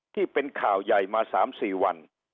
ที่เป็นข่าวใหญ่มา๓๔วัน